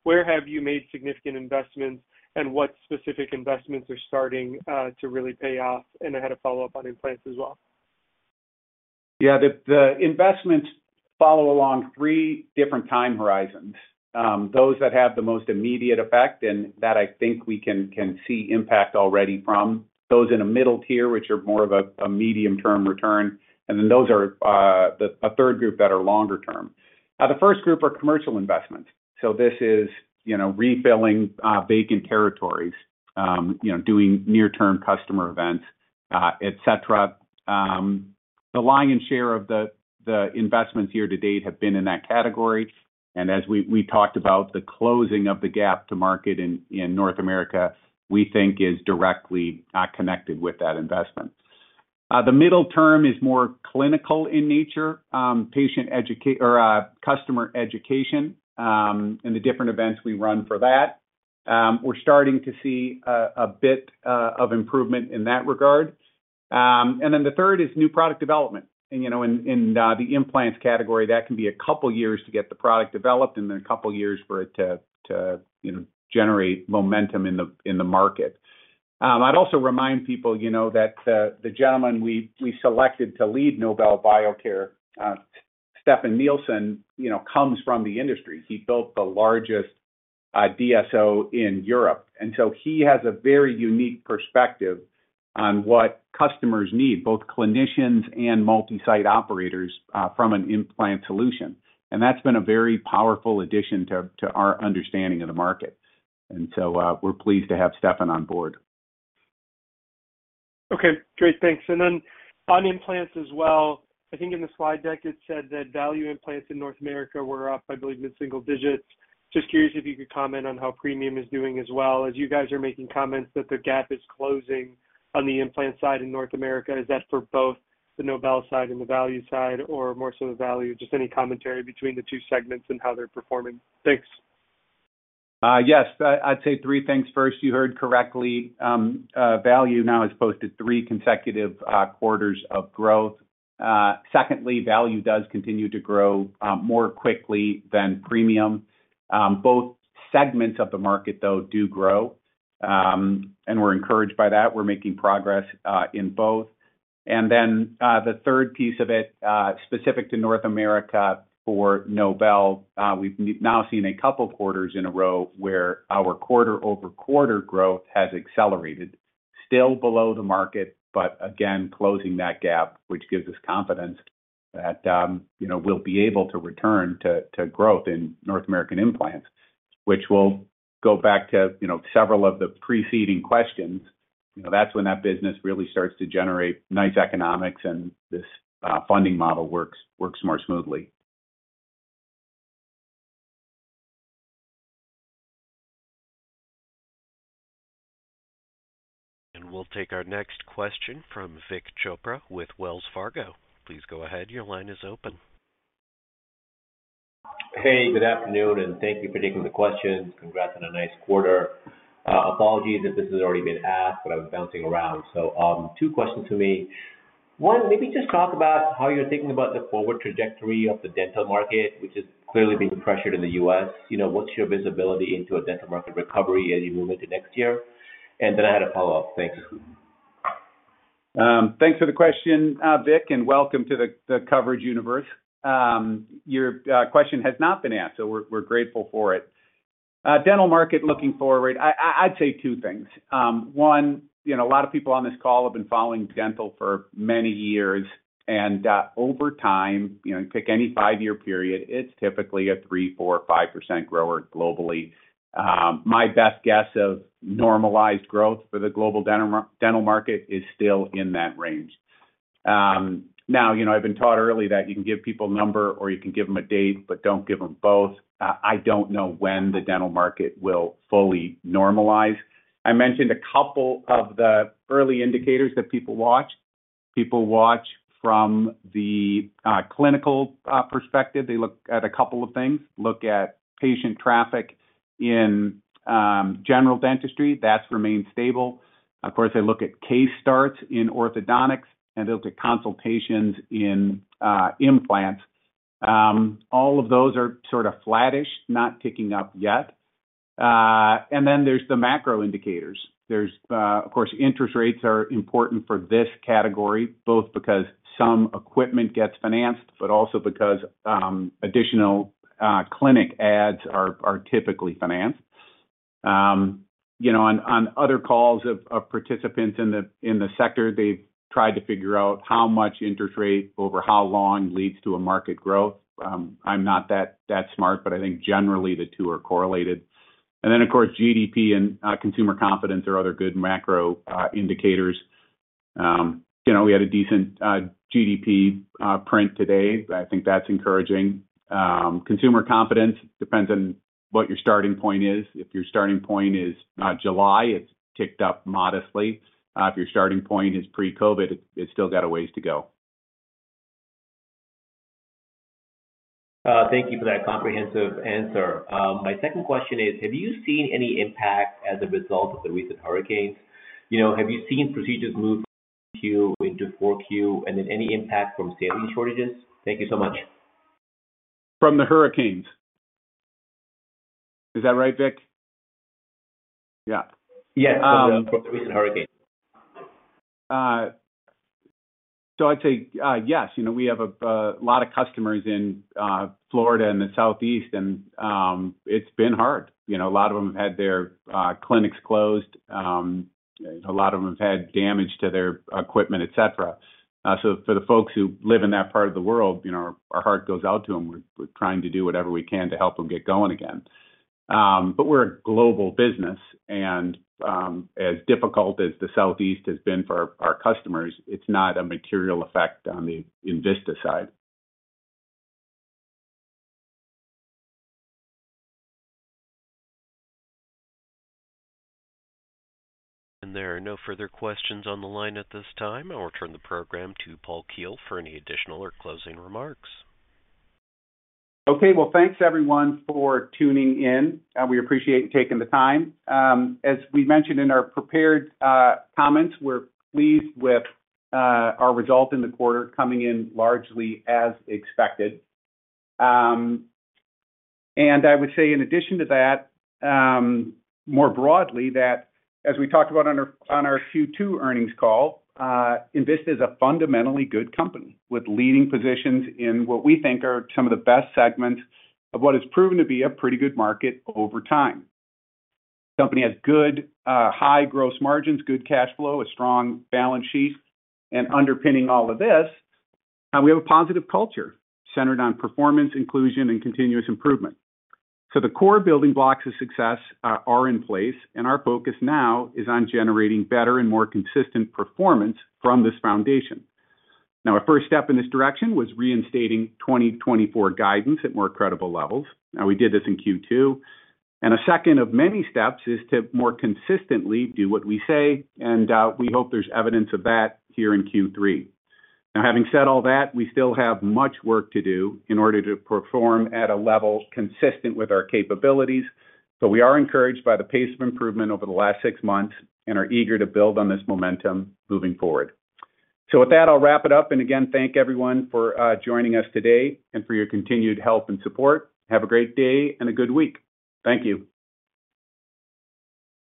Where have you made significant investments, and what specific investments are starting to really pay off? And I had a follow-up on implants as well. Yeah. The investments follow along three different time horizons. Those that have the most immediate effect, and that I think we can see impact already from. Those in a middle tier, which are more of a medium-term return. And then those are a third group that are longer-term. Now, the first group are commercial investments. So this is refilling vacant territories, doing near-term customer events, etc. The lion's share of the investments year to date have been in that category. And as we talked about, the closing of the gap to market in North America, we think, is directly connected with that investment. The middle term is more clinical in nature, customer education, and the different events we run for that. We're starting to see a bit of improvement in that regard. And then the third is new product development. In the implants category, that can be a couple of years to get the product developed and then a couple of years for it to generate momentum in the market. I'd also remind people that the gentleman we selected to lead Nobel Biocare, Stefan Nilsson, comes from the industry. He built the largest DSO in Europe. And so he has a very unique perspective on what customers need, both clinicians and multi-site operators, from an implant solution. And that's been a very powerful addition to our understanding of the market. And so we're pleased to have Stefan on board. Okay. Great. Thanks. And then on implants as well, I think in the slide deck, it said that value implants in North America were up, I believe, in single digits. Just curious if you could comment on how premium is doing as well. As you guys are making comments that the gap is closing on the implant side in North America, is that for both the Nobel side and the value side, or more so the value? Just any commentary between the two segments and how they're performing. Thanks. Yes. I'd say three things. First, you heard correctly. Value now has posted three consecutive quarters of growth. Secondly, value does continue to grow more quickly than premium. Both segments of the market, though, do grow, and we're encouraged by that. We're making progress in both. And then the third piece of it, specific to North America for Nobel, we've now seen a couple of quarters in a row where our quarter-over-quarter growth has accelerated. Still below the market, but again, closing that gap, which gives us confidence that we'll be able to return to growth in North American implants, which will go back to several of the preceding questions. That's when that business really starts to generate nice economics, and this funding model works more smoothly. And we'll take our next question from Vik Chopra with Wells Fargo. Please go ahead. Your line is open. Hey, good afternoon, and thank you for taking the question. Congrats on a nice quarter. Apologies if this has already been asked, but I was bouncing around. So two questions for me. One, maybe just talk about how you're thinking about the forward trajectory of the dental market, which is clearly being pressured in the U.S. What's your visibility into a dental market recovery as you move into next year? And then I had a follow-up. Thanks. Thanks for the question, Vik, and welcome to the coverage universe. Your question has not been asked, so we're grateful for it. Dental market looking forward, I'd say two things. One, a lot of people on this call have been following dental for many years and over time, pick any five-year period, it's typically a 3%, 4%, 5% grower globally. My best guess of normalized growth for the global dental market is still in that range. Now, I've been taught early that you can give people a number or you can give them a date, but don't give them both. I don't know when the dental market will fully normalize. I mentioned a couple of the early indicators that people watch. People watch from the clinical perspective. They look at a couple of things. Look at patient traffic in general dentistry. That's remained stable. Of course, they look at case starts in orthodontics, and they look at consultations in implants. All of those are sort of flattish, not ticking up yet. And then there's the macro indicators. Of course, interest rates are important for this category, both because some equipment gets financed, but also because additional clinic adds are typically financed. On other calls of participants in the sector, they've tried to figure out how much interest rate over how long leads to a market growth. I'm not that smart, but I think generally the two are correlated. And then, of course, GDP and consumer confidence are other good macro indicators. We had a decent GDP print today. I think that's encouraging. Consumer confidence depends on what your starting point is. If your starting point is July, it's ticked up modestly. If your starting point is pre-COVID, it's still got a ways to go. Thank you for that comprehensive answer. My second question is, have you seen any impact as a result of the recent hurricanes? Have you seen procedures move from 2Q into 4Q, and then any impact from saline shortages? Thank you so much. From the hurricanes. Is that right, Vik? Yeah. Yes. From the recent hurricanes. So I'd say yes. We have a lot of customers in Florida and the Southeast, and it's been hard. A lot of them have had their clinics closed. A lot of them have had damage to their equipment, etc. So for the folks who live in that part of the world, our heart goes out to them. We're trying to do whatever we can to help them get going again. But we're a global business, and as difficult as the Southeast has been for our customers, it's not a material effect on the Envista side. There are no further questions on the line at this time. I'll return the program to Paul Keel for any additional or closing remarks. Okay, well, thanks, everyone, for tuning in. We appreciate you taking the time. As we mentioned in our prepared comments, we're pleased with our result in the quarter coming in largely as expected, and I would say, in addition to that, more broadly, that as we talked about on our Q2 earnings call, Envista is a fundamentally good company with leading positions in what we think are some of the best segments of what has proven to be a pretty good market over time. The company has good, high gross margins, good cash flow, a strong balance sheet, and underpinning all of this, we have a positive culture centered on performance, inclusion, and continuous improvement, so the core building blocks of success are in place, and our focus now is on generating better and more consistent performance from this foundation. Now, our first step in this direction was reinstating 2024 guidance at more credible levels. Now, we did this in Q2. And a second of many steps is to more consistently do what we say, and we hope there's evidence of that here in Q3. Now, having said all that, we still have much work to do in order to perform at a level consistent with our capabilities. But we are encouraged by the pace of improvement over the last six months and are eager to build on this momentum moving forward. So with that, I'll wrap it up. And again, thank everyone for joining us today and for your continued help and support. Have a great day and a good week. Thank you.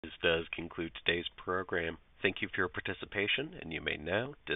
This does conclude today's program. Thank you for your participation, and you may now.